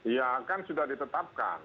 ya kan sudah ditetapkan